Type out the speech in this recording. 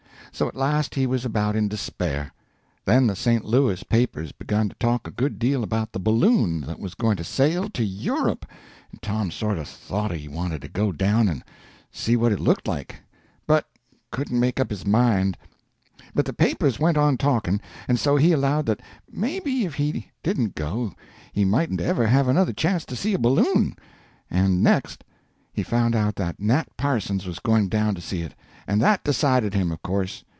So at last he was about in despair. Then the St. Louis papers begun to talk a good deal about the balloon that was going to sail to Europe, and Tom sort of thought he wanted to go down and see what it looked like, but couldn't make up his mind. But the papers went on talking, and so he allowed that maybe if he didn't go he mightn't ever have another chance to see a balloon; and next, he found out that Nat Parsons was going down to see it, and that decided him, of course.